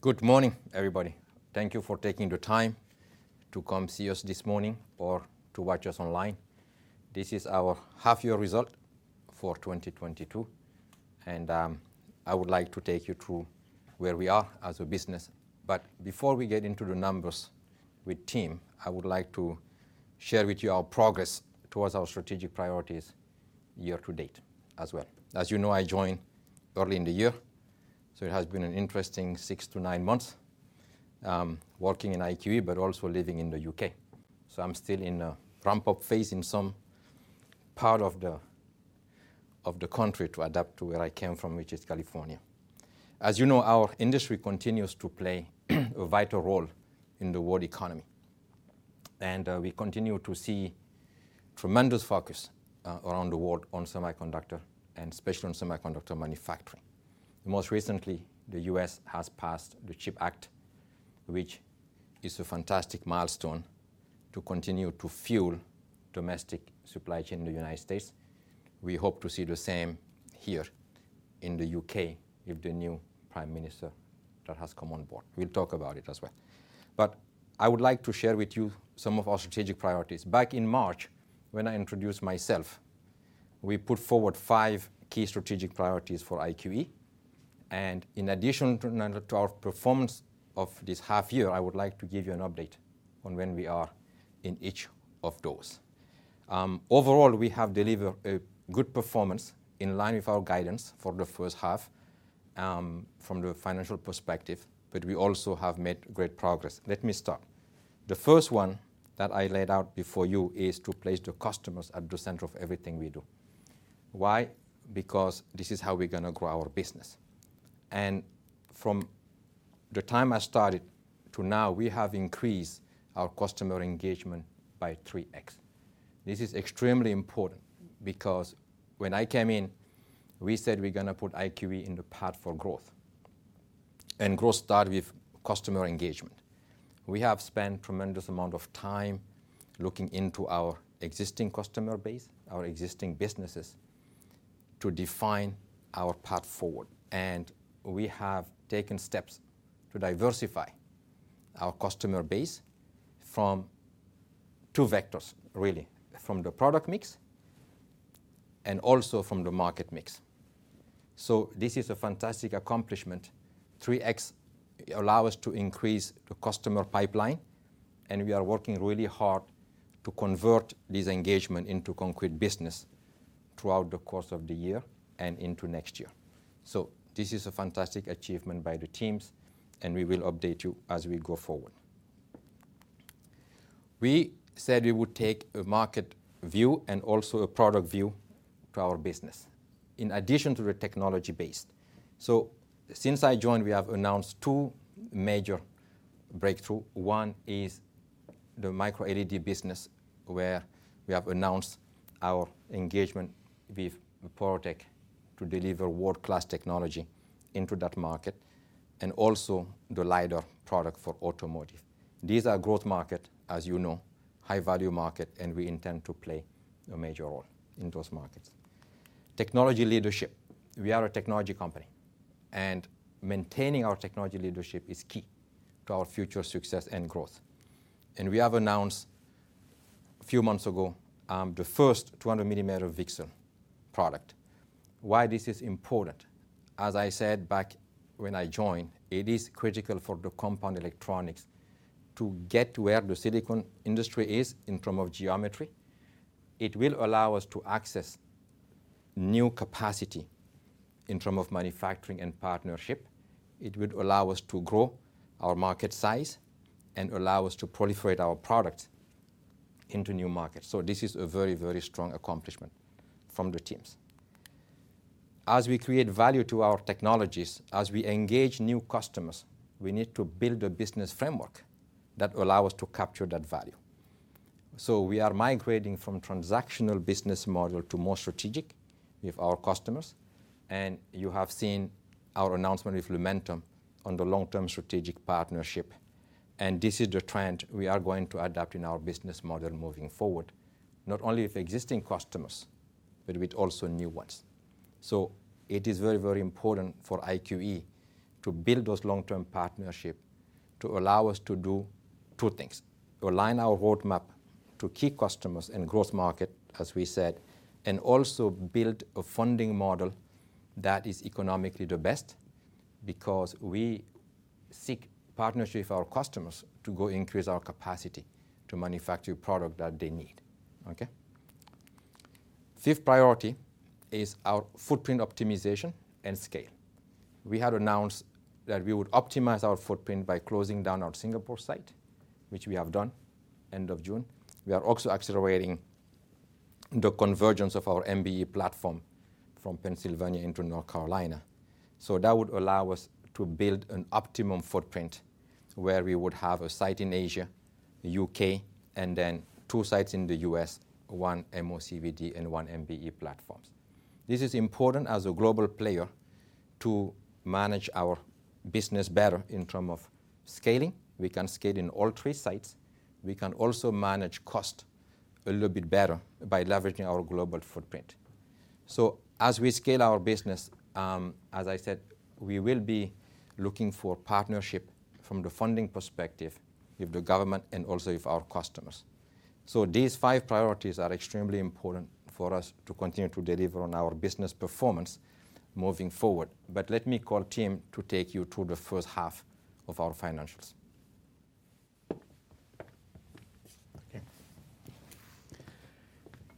Good morning, everybody. Thank you for taking the time to come see us this morning or to watch us online. This is our half-year result for 2022. I would like to take you through where we are as a business. Before we get into the numbers with Tim, I would like to share with you our progress towards our strategic priorities year to date as well. As you know, I joined early in the year, so it has been an interesting six to nine months working in IQE but also living in the UK. I'm still in a ramp-up phase in some part of the country to adapt to where I came from, which is California. As you know, our industry continues to play a vital role in the world economy. We continue to see tremendous focus around the world on semiconductor and especially on semiconductor manufacturing. Most recently, the US has passed the CHIPS Act, which is a fantastic milestone to continue to fuel domestic supply chain in the United States. We hope to see the same here in the UK with the new prime minister that has come on board. We'll talk about it as well. I would like to share with you some of our strategic priorities. Back in March, when I introduced myself, we put forward five key strategic priorities for IQE, and in addition to our performance of this half year, I would like to give you an update on where we are in each of those. Overall, we have delivered a good performance in line with our guidance for the H1, from the financial perspective, but we also have made great progress. Let me start. The first one that I laid out before you is to place the customers at the center of everything we do. Why? Because this is how we're gonna grow our business. From the time I started to now, we have increased our customer engagement by 3x. This is extremely important because when I came in, we said we're gonna put IQE in the path for growth. Growth start with customer engagement. We have spent tremendous amount of time looking into our existing customer base, our existing businesses, to define our path forward. We have taken steps to diversify our customer base from two vectors, really. From the product mix and also from the market mix. This is a fantastic accomplishment. 3x allow us to increase the customer pipeline, and we are working really hard to convert this engagement into concrete business throughout the course of the year and into next year. This is a fantastic achievement by the teams, and we will update you as we go forward. We said we would take a market view and also a product view to our business in addition to the technology based. Since I joined, we have announced two major breakthrough. One is the microLED business, where we have announced our engagement with Porotech to deliver world-class technology into that market. Also the LiDAR product for automotive. These are growth market, as you know, high value market, and we intend to play a major role in those markets. Technology leadership. We are a technology company, and maintaining our technology leadership is key to our future success and growth. We have announced a few months ago the first 200-millimeter VCSEL product. Why this is important, as I said back when I joined, it is critical for the compound semiconductors to get to where the silicon industry is in terms of geometry. It will allow us to access new capacity in terms of manufacturing and partnership. It would allow us to grow our market size and allow us to proliferate our product into new markets. This is a very, very strong accomplishment from the teams. As we create value to our technologies, as we engage new customers, we need to build a business framework that allow us to capture that value. We are migrating from transactional business model to more strategic with our customers, and you have seen our announcement with Lumentum on the long-term strategic partnership, and this is the trend we are going to adopt in our business model moving forward, not only with existing customers, but with also new ones. It is very, very important for IQE to build those long-term partnership to allow us to do two things: align our roadmap to key customers and growth market, as we said, and also build a funding model that is economically the best because we seek partnership with our customers to go increase our capacity to manufacture product that they need. Okay? Fifth priority is our footprint optimization and scale. We had announced that we would optimize our footprint by closing down our Singapore site, which we have done end of June. We are also accelerating the convergence of our MBE platform from Pennsylvania into North Carolina. That would allow us to build an optimum footprint where we would have a site in Asia, U.K., and then two sites in the US, one MOCVD and one MBE platforms. This is important as a global player to manage our business better in terms of scaling. We can scale in all three sites. We can also manage cost a little bit better by leveraging our global footprint. As we scale our business, as I said, we will be looking for partnership from the funding perspective with the government and also with our customers. These five priorities are extremely important for us to continue to deliver on our business performance moving forward. Let me call Timothy Pullen to take you through the H1 of our financials. Okay.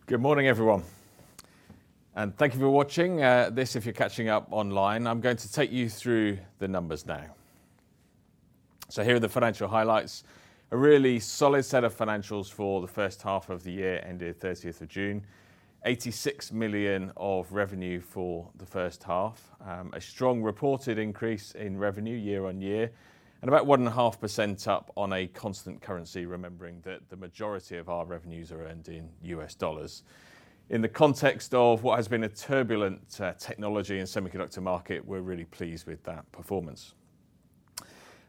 Good morning, everyone, and thank you for watching this if you're catching up online. I'm going to take you through the numbers now. Here are the financial highlights. A really solid set of financials for the H1 of the year ended 30th of June. 86 million of revenue for the H1. A strong reported increase in revenue year-on-year and about 1.5% up on a constant currency, remembering that the majority of our revenues are earned in US dollars. In the context of what has been a turbulent technology and semiconductor market, we're really pleased with that performance.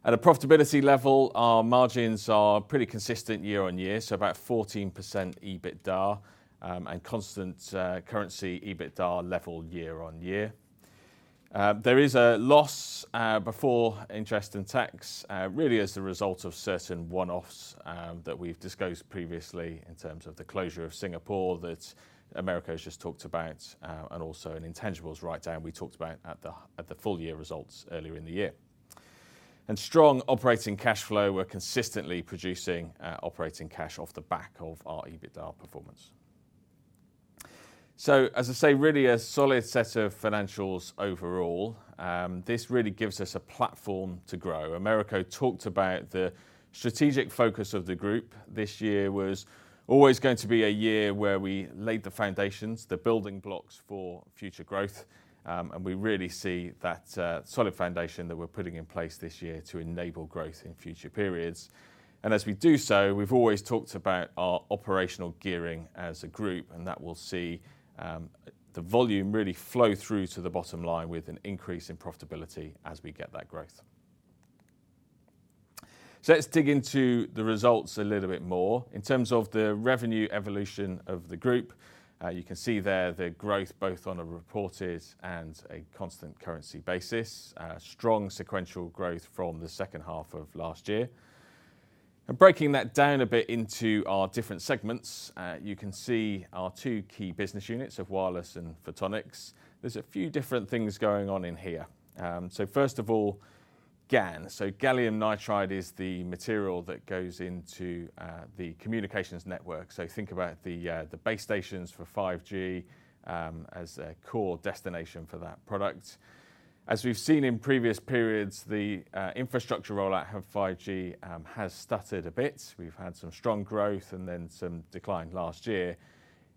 At a profitability level, our margins are pretty consistent year-on-year, so about 14% EBITDA and constant currency EBITDA level year-on-year. There is a loss before interest and tax, really as the result of certain one-offs that we've disclosed previously in terms of the closure of Singapore that Americo's just talked about, and also an intangibles write-down we talked about at the full year results earlier in the year. Strong operating cash flow. We're consistently producing operating cash off the back of our EBITDA performance. As I say, really a solid set of financials overall. This really gives us a platform to grow. Americo talked about the strategic focus of the group. This year was always going to be a year where we laid the foundations, the building blocks for future growth, and we really see that solid foundation that we're putting in place this year to enable growth in future periods. As we do so, we've always talked about our operational gearing as a group, and that will see the volume really flow through to the bottom line with an increase in profitability as we get that growth. Let's dig into the results a little bit more. In terms of the revenue evolution of the group, you can see there the growth both on a reported and a constant currency basis. Strong sequential growth from the H2 of last year. Breaking that down a bit into our different segments, you can see our two key business units of wireless and photonics. There's a few different things going on in here. First of all, GaN. Gallium Nitride is the material that goes into the communications network. Think about the base stations for 5G as a core destination for that product. As we've seen in previous periods, the infrastructure rollout of 5G has stuttered a bit. We've had some strong growth and then some decline last year.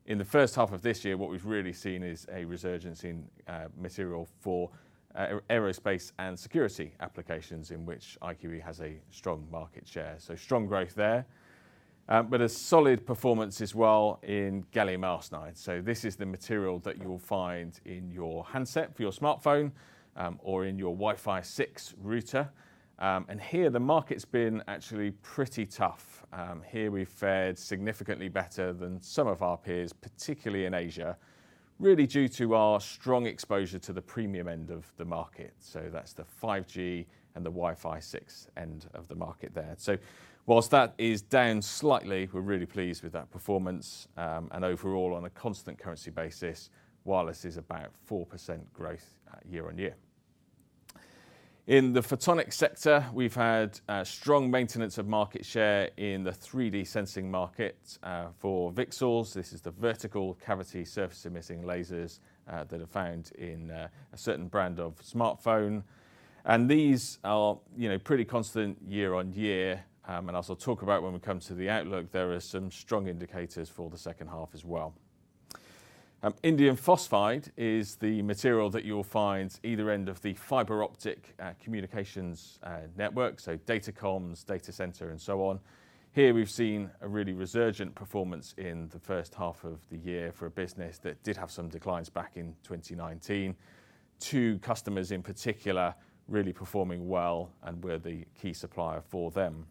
In the H1 of this year, what we've really seen is a resurgence in material for aerospace and security applications in which IQE has a strong market share. Strong growth there, but a solid performance as well in gallium arsenide. This is the material that you will find in your handset for your smartphone or in your Wi-Fi six router. Here the market's been actually pretty tough. Here we've fared significantly better than some of our peers, particularly in Asia, really due to our strong exposure to the premium end of the market. That's the 5G and the Wi-Fi six end of the market there. While that is down slightly, we're really pleased with that performance. Overall, on a constant currency basis, wireless is about 4% growth year-over-year. In the photonic sector, we've had strong maintenance of market share in the 3D Sensing market for VCSELs. This is the vertical-cavity surface-emitting lasers that are found in a certain brand of smartphone. These are, you know, pretty constant year-over-year. As I'll talk about when we come to the outlook, there are some strong indicators for the H2 as well. Indium phosphide is the material that you will find either end of the fiber optic communications network, so datacomms, data center, and so on. Here we've seen a really resurgent performance in the H1 of the year for a business that did have some declines back in 2019. Two customers in particular really performing well, and we're the key supplier for them.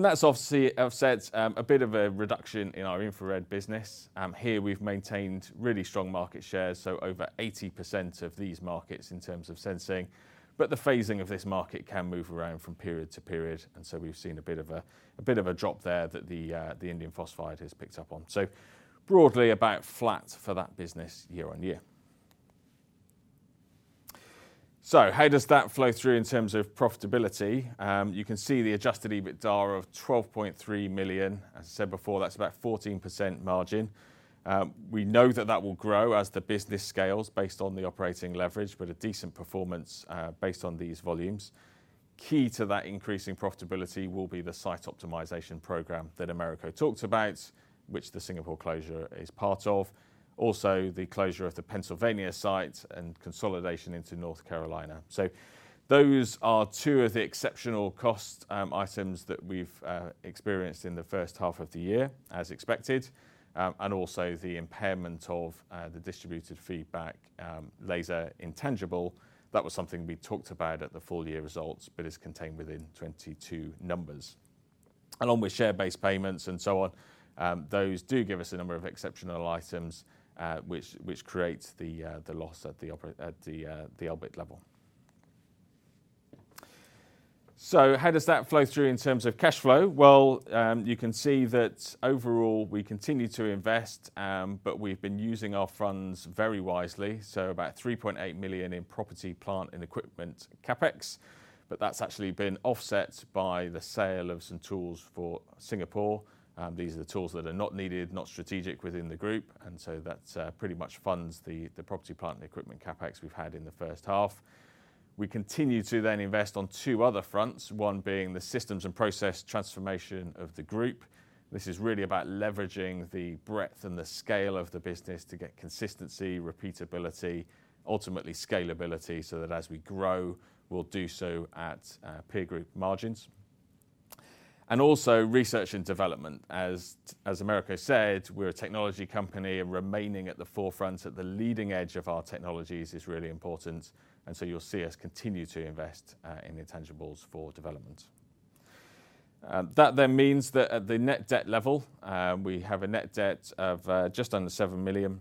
That's obviously offset a bit of a reduction in our infrared business. Here we've maintained really strong market share, over 80% of these markets in terms of sensing. The phasing of this market can move around from period to period, and we've seen a bit of a drop there that the indium phosphide has picked up on. Broadly about flat for that business year-on-year. How does that flow through in terms of profitability? You can see the adjusted EBITDA of 12.3 million. As I said before, that's about 14% margin. We know that will grow as the business scales based on the operating leverage, but a decent performance based on these volumes. Key to that increasing profitability will be the site optimization program that Americo talked about, which the Singapore closure is part of. Also, the closure of the Pennsylvania site and consolidation into North Carolina. Those are two of the exceptional cost items that we've experienced in the H1 of the year, as expected, and also the impairment of the distributed feedback laser intangible. That was something we talked about at the full year results, but is contained within 2022 numbers. Along with share-based payments and so on, those do give us a number of exceptional items, which creates the loss at the EBIT level. How does that flow through in terms of cash flow? Well, you can see that overall we continue to invest, but we've been using our funds very wisely, so about 3.8 million in property, plant, and equipment CapEx. That's actually been offset by the sale of some tools for Singapore. These are the tools that are not needed, not strategic within the group, and so that pretty much funds the property, plant, and equipment CapEx we've had in the H1. We continue to then invest on two other fronts, one being the systems and process transformation of the group. This is really about leveraging the breadth and the scale of the business to get consistency, repeatability, ultimately scalability, so that as we grow, we'll do so at peer group margins. Also research and development. As Americo said, we're a technology company, and remaining at the forefront at the leading edge of our technologies is really important, and so you'll see us continue to invest in intangibles for development. That then means that at the net debt level, we have a net debt of just under 7 million,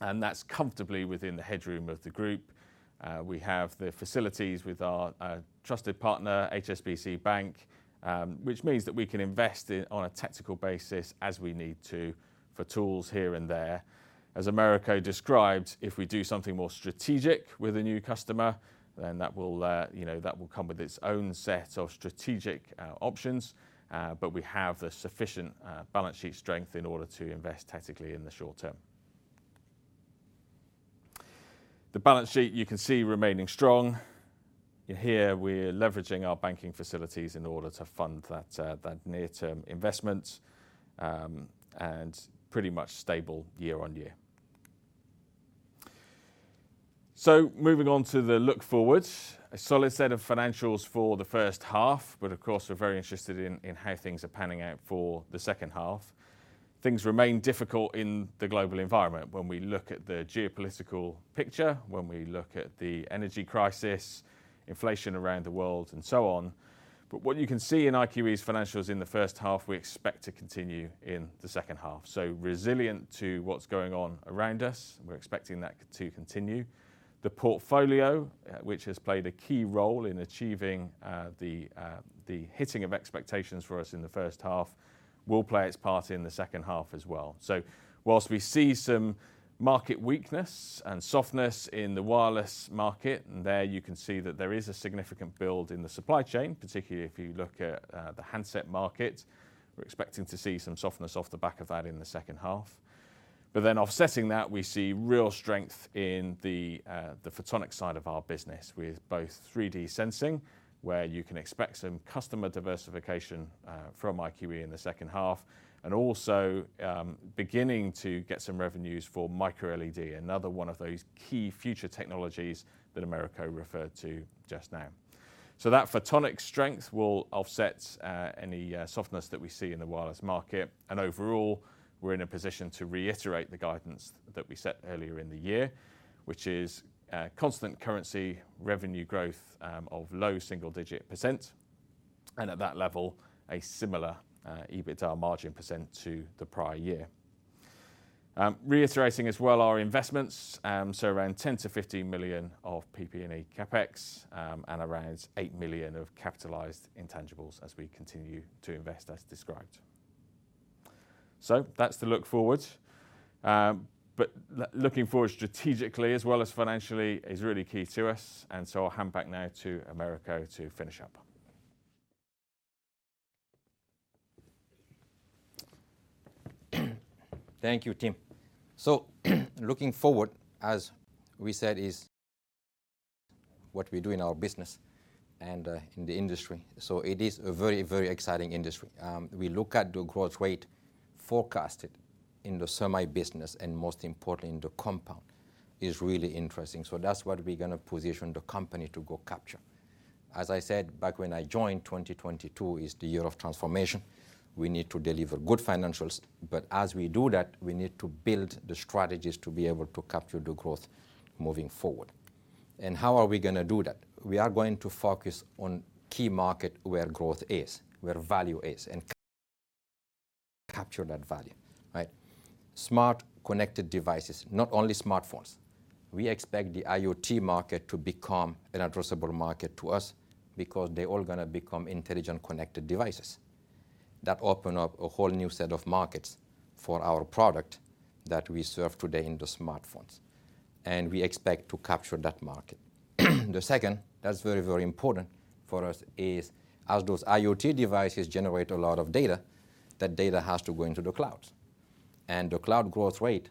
and that's comfortably within the headroom of the group. We have the facilities with our trusted partner, HSBC Bank, which means that we can invest on a tactical basis as we need to for tools here and there. As Americo described, if we do something more strategic with a new customer, then that will, you know, that will come with its own set of strategic options. We have the sufficient balance sheet strength in order to invest tactically in the short term. The balance sheet, you can see, remaining strong. Here we're leveraging our banking facilities in order to fund that near-term investment, and pretty much stable year-on-year. Moving on to the outlook. A solid set of financials for the H1, but of course we're very interested in how things are panning out for the H2. Things remain difficult in the global environment when we look at the geopolitical picture, when we look at the energy crisis, inflation around the world, and so on. What you can see in IQE's financials in the H1, we expect to continue in the H2. Resilient to what's going on around us, and we're expecting that to continue. The portfolio, which has played a key role in achieving the hitting of expectations for us in the H1, will play its part in the H2 as well. While we see some market weakness and softness in the wireless market, and there you can see that there is a significant build in the supply chain, particularly if you look at the handset market. We're expecting to see some softness off the back of that in the H2. Offsetting that, we see real strength in the photonic side of our business with both 3D sensing, where you can expect some customer diversification from IQE in the H2, and also beginning to get some revenues for microLED, another one of those key future technologies that Americo referred to just now. That photonic strength will offset any softness that we see in the wireless market. Overall, we're in a position to reiterate the guidance that we set earlier in the year, which is constant currency revenue growth of low single-digit %, and at that level, a similar EBITDA margin % to the prior year. Reiterating as well our investments, so around 10 million-15 million of PP&E CapEx, and around 8 million of capitalized intangibles as we continue to invest as described. That's the look forward. Looking forward strategically as well as financially is really key to us, and so I'll hand back now to Americo to finish up. Thank you, Tim. Looking forward, as we said, is what we do in our business and in the industry. It is a very, very exciting industry. We look at the growth rate forecasted in the semi business, and most importantly in the compound, is really interesting. That's what we're gonna position the company to go capture. As I said back when I joined, 2022 is the year of transformation. We need to deliver good financials, but as we do that, we need to build the strategies to be able to capture the growth moving forward. How are we gonna do that? We are going to focus on key market where growth is, where value is, and capture that value, right? Smart connected devices, not only smartphones. We expect the IoT market to become an addressable market to us because they're all gonna become intelligent connected devices. That open up a whole new set of markets for our product that we serve today in the smartphones, and we expect to capture that market. The second that's very, very important for us is, as those IoT devices generate a lot of data, that data has to go into the cloud. The cloud growth rate,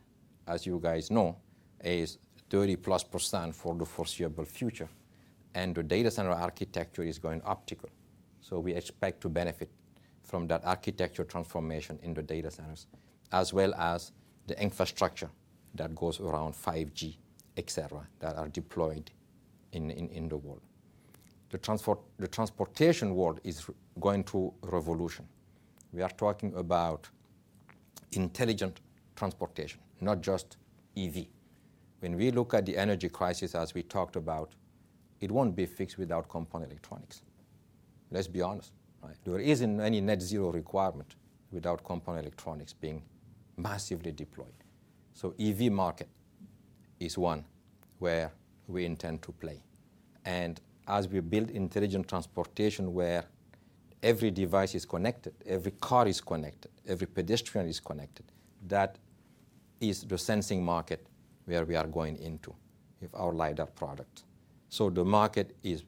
as you guys know, is 30%+ for the foreseeable future, and the data center architecture is going optical. We expect to benefit from that architecture transformation in the data centers, as well as the infrastructure that goes around 5G, et cetera, that are deployed in the world. The transportation world is going through revolution. We are talking about intelligent transportation, not just EV. When we look at the energy crisis as we talked about, it won't be fixed without compound semiconductors. Let's be honest, right? There isn't any net zero requirement without compound semiconductors being massively deployed. EV market is one where we intend to play. As we build intelligent transportation where every device is connected, every car is connected, every pedestrian is connected, that is the sensing market where we are going into with our LiDAR product. The market is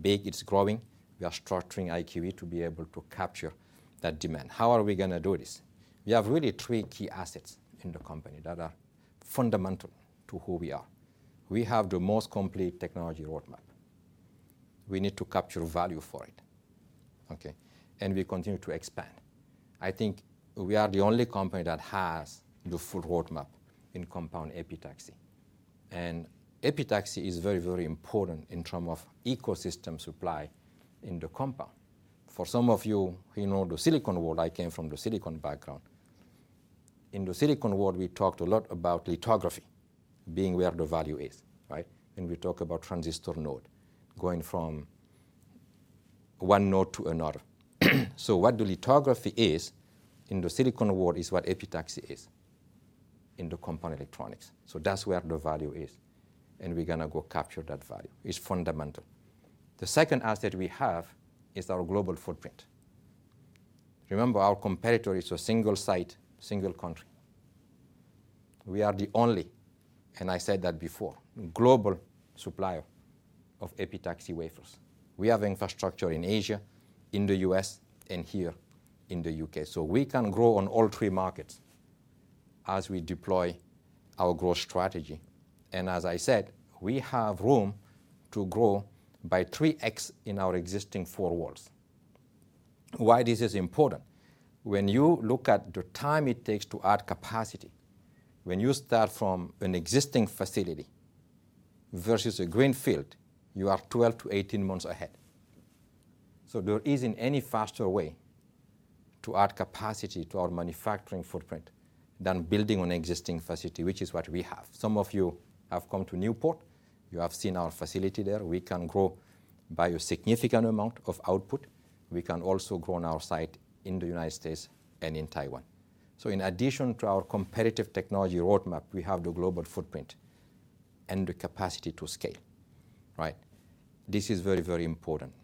big, it's growing. We are structuring IQE to be able to capture that demand. How are we gonna do this? We have really three key assets in the company that are fundamental to who we are. We have the most complete technology roadmap. We need to capture value for it, okay? We continue to expand. I think we are the only company that has the full roadmap in compound epitaxy. Epitaxy is very, very important in terms of ecosystem supply in the compound. For some of you who know the silicon world, I came from the silicon background. In the silicon world, we talked a lot about lithography being where the value is, right? We talk about transistor node going from one node to another. What the lithography is in the silicon world is what epitaxy is in the compound electronics. That's where the value is, and we're gonna go capture that value. It's fundamental. The second asset we have is our global footprint. Remember, our competitor is a single site, single country. We are the only, and I said that before, global supplier of epitaxy wafers. We have infrastructure in Asia, in the U.S., and here in the U.K. We can grow on all three markets as we deploy our growth strategy. As I said, we have room to grow by 3x in our existing four walls. Why this is important? When you look at the time it takes to add capacity, when you start from an existing facility versus a greenfield, you are 12-18 months ahead. There isn't any faster way to add capacity to our manufacturing footprint than building on existing facility, which is what we have. Some of you have come to Newport, you have seen our facility there. We can grow by a significant amount of output. We can also grow on our site in the United States and in Taiwan. In addition to our competitive technology roadmap, we have the global footprint and the capacity to scale, right? This is very, very important.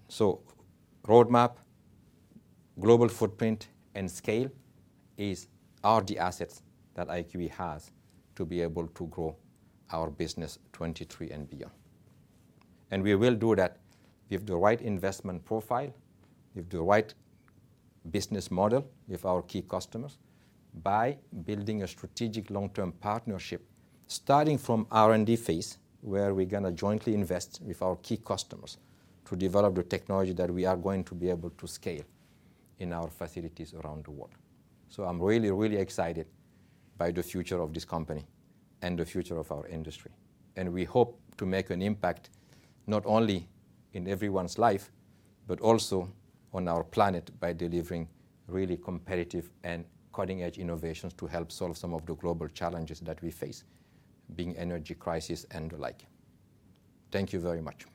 Roadmap, global footprint, and scale are the assets that IQE has to be able to grow our business 2023 and beyond. We will do that with the right investment profile, with the right business model, with our key customers, by building a strategic long-term partnership, starting from R&D phase, where we're gonna jointly invest with our key customers to develop the technology that we are going to be able to scale in our facilities around the world. I'm really, really excited by the future of this company and the future of our industry. We hope to make an impact not only in everyone's life, but also on our planet by delivering really competitive and cutting-edge innovations to help solve some of the global challenges that we face, being energy crisis and the like. Thank you very much.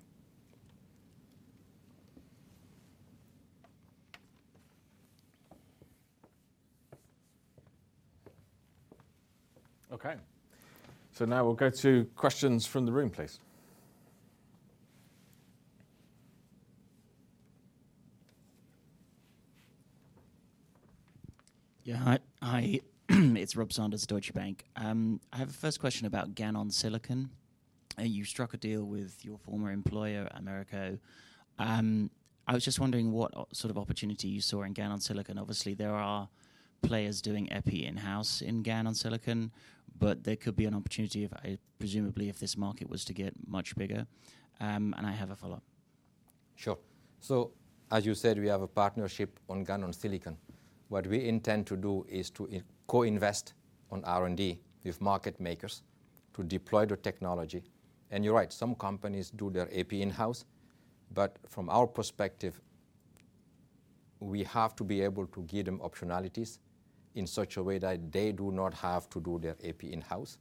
Okay. Now we'll go to questions from the room, please. It's Rob Sanders, Deutsche Bank. I have a first question about GaN on silicon. You struck a deal with your former employer, Americo. I was just wondering what sort of opportunity you saw in GaN on silicon. Obviously, there are players doing epi in-house in GaN on silicon, but there could be an opportunity if, presumably, if this market was to get much bigger. I have a follow-up. Sure. As you said, we have a partnership on GaN on silicon. What we intend to do is to co-invest on R&D with market makers to deploy the technology. You're right, some companies do their epi in-house, but from our perspective, we have to be able to give them optionalities in such a way that they do not have to do their epi in-house.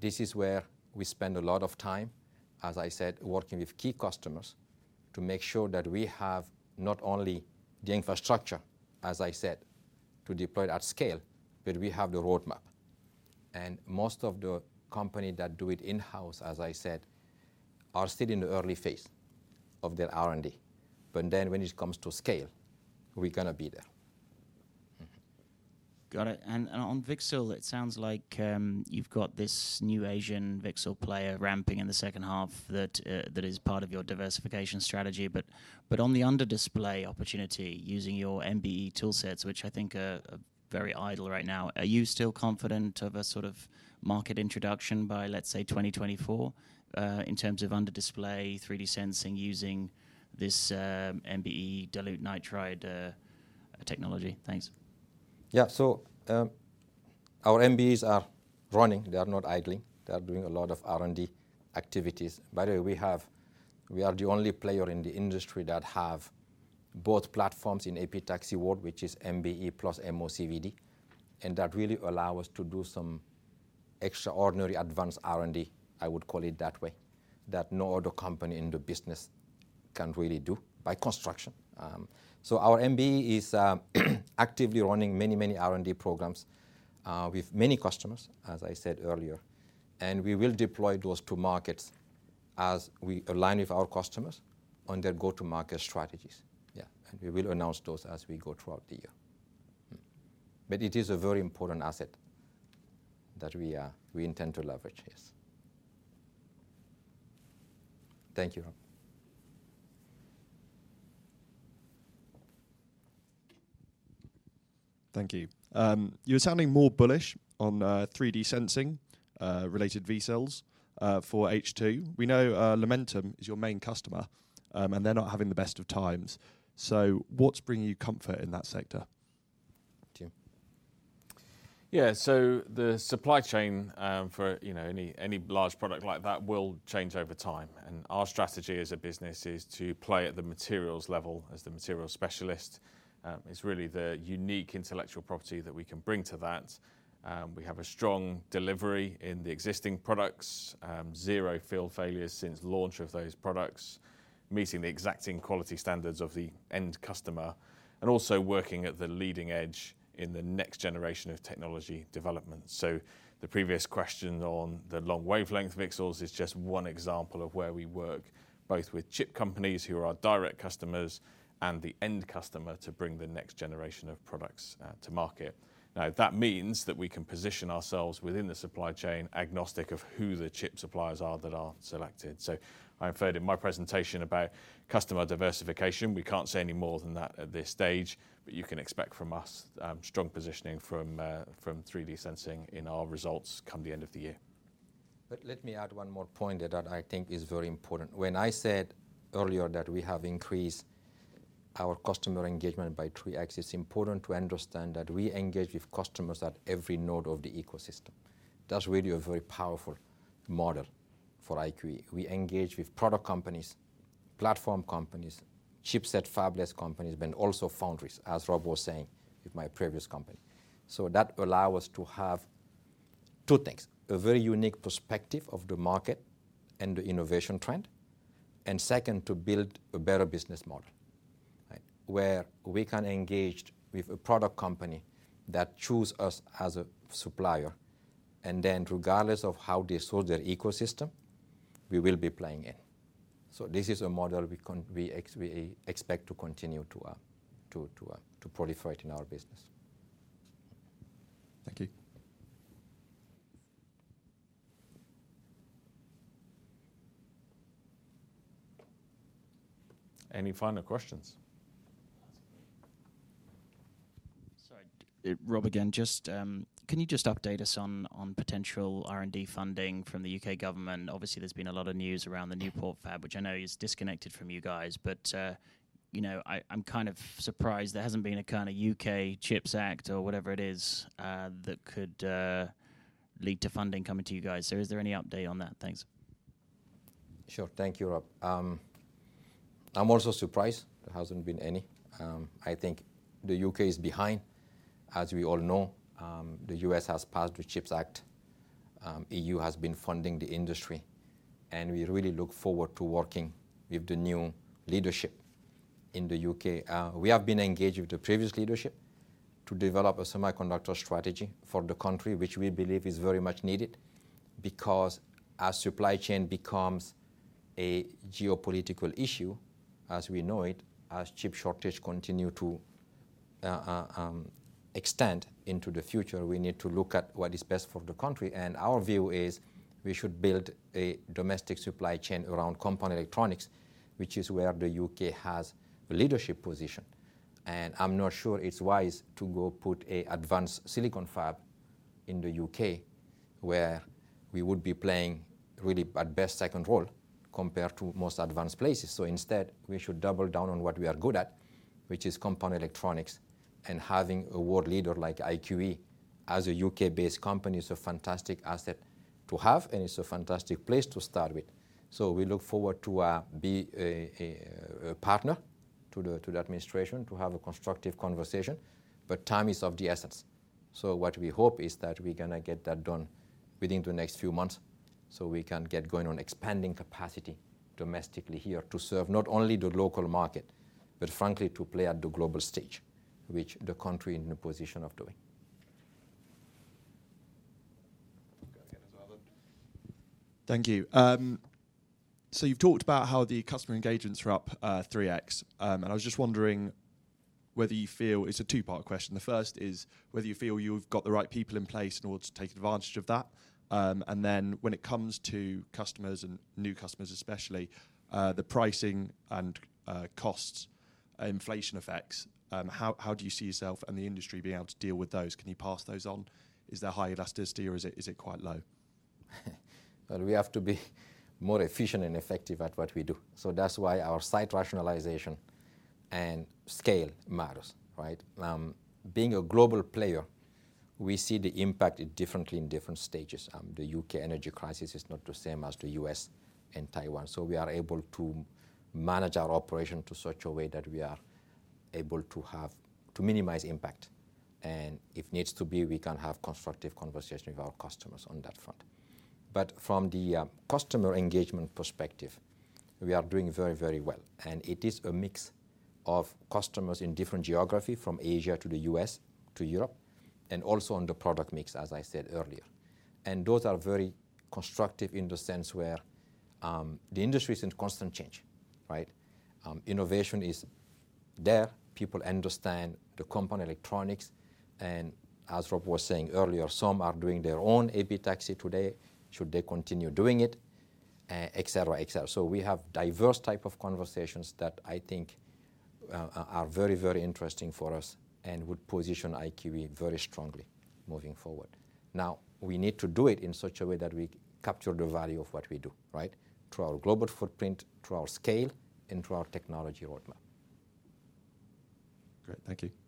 This is where we spend a lot of time, as I said, working with key customers to make sure that we have not only the infrastructure, as I said, to deploy at scale, but we have the roadmap. Most of the company that do it in-house, as I said, are still in the early phase of their R&D. Then when it comes to scale, we're gonna be there. Got it. On VCSEL, it sounds like you've got this new Asian VCSEL player ramping in the H2 that is part of your diversification strategy. On the under-display opportunity using your MBE toolsets, which I think are very idle right now, are you still confident of a sort of market introduction by, let's say, 2024 in terms of under-display, 3D Sensing using this MBE dilute nitride technology? Thanks. Yeah. Our MBEs are running, they are not idling. They are doing a lot of R&D activities. By the way, we are the only player in the industry that have both platforms in epitaxy world, which is MBE plus MOCVD, and that really allow us to do some extraordinary advanced R&D, I would call it that way, that no other company in the business can really do by construction. Our MBE is actively running many, many R&D programs with many customers, as I said earlier. We will deploy those to markets as we align with our customers on their go-to-market strategies. Yeah. We will announce those as we go throughout the year. It is a very important asset that we intend to leverage. Yes. Thank you, Rob. Thank you. You're sounding more bullish on 3D Sensing related VCSELs for H2. We know Lumentum is your main customer, and they're not having the best of times. What's bringing you comfort in that sector? Tim. Yeah. The supply chain for, you know, any large product like that will change over time. Our strategy as a business is to play at the materials level as the material specialist. It's really the unique intellectual property that we can bring to that. We have a strong delivery in the existing products, zero field failures since launch of those products, meeting the exacting quality standards of the end customer, and also working at the leading edge in the next generation of technology development. The previous question on the long-wavelength VCSELs is just one example of where we work, both with chip companies who are our direct customers and the end customer to bring the next generation of products to market. That means that we can position ourselves within the supply chain agnostic of who the chip suppliers are that are selected. I referred in my presentation about customer diversification. We can't say any more than that at this stage, but you can expect from us strong positioning from 3D Sensing in our results come the end of the year. Let me add one more point that I think is very important. When I said earlier that we have increased our customer engagement by 3x, it's important to understand that we engage with customers at every node of the ecosystem. That's really a very powerful model for IQE. We engage with product companies, platform companies, chipset fabless companies, but also foundries, as Rob was saying with my previous company. That allow us to have two things, a very unique perspective of the market and the innovation trend, and second, to build a better business model, right? Where we can engage with a product company that choose us as a supplier, and then regardless of how they sold their ecosystem, we will be playing in. This is a model we expect to continue to proliferate in our business. Thank you. Any final questions? Sorry. Rob again. Just, can you just update us on potential R&D funding from the UK government? Obviously, there's been a lot of news around the Newport Fab, which I know is disconnected from you guys. You know, I'm kind of surprised there hasn't been a kinda UK CHIPS Act or whatever it is that could lead to funding coming to you guys. Is there any update on that? Thanks. Sure. Thank you, Rob. I'm also surprised there hasn't been any. I think the U.K. is behind. As we all know, the U.S. has passed the CHIPS Act, EU has been funding the industry, and we really look forward to working with the new leadership in the U.K. We have been engaged with the previous leadership to develop a semiconductor strategy for the country, which we believe is very much needed because as supply chain becomes a geopolitical issue, as we know it, as chip shortage continue to extend into the future, we need to look at what is best for the country. Our view is we should build a domestic supply chain around compound semiconductors, which is where the U.K. has a leadership position. I'm not sure it's wise to go put a advanced silicon fab in the U.K. where we would be playing really at best second role compared to most advanced places. Instead, we should double down on what we are good at, which is compound semiconductors. Having a world leader like IQE as a U.K.-based company is a fantastic asset to have, and it's a fantastic place to start with. We look forward to be a partner to the administration to have a constructive conversation, but time is of the essence. What we hope is that we're gonna get that done within the next few months, so we can get going on expanding capacity domestically here to serve not only the local market, but frankly, to play at the global stage, which the country in a position of doing. Go ahead as well, then. Thank you. You've talked about how the customer engagements are up 3x. I was just wondering. It's a two-part question. The first is whether you feel you've got the right people in place in order to take advantage of that. When it comes to customers and new customers especially, the pricing and costs inflation effects, how do you see yourself and the industry being able to deal with those? Can you pass those on? Is there high elasticity or is it quite low? Well, we have to be more efficient and effective at what we do. That's why our site rationalization and scale matters, right? Being a global player, we see the impact differently in different stages. The UK energy crisis is not the same as the US and Taiwan. We are able to manage our operation to such a way that we are able to have, to minimize impact. If needs to be, we can have constructive conversation with our customers on that front. From the customer engagement perspective, we are doing very, very well. It is a mix of customers in different geography from Asia to the US to Europe, and also on the product mix, as I said earlier. Those are very constructive in the sense where the industry is in constant change, right? Innovation is there. People understand the compound semiconductors. As Rob was saying earlier, some are doing their own epitaxy today, should they continue doing it, et cetera. We have diverse type of conversations that I think are very, very interesting for us and would position IQE very strongly moving forward. Now, we need to do it in such a way that we capture the value of what we do, right? Through our global footprint, through our scale, and through our technology roadmap. Great. Thank you.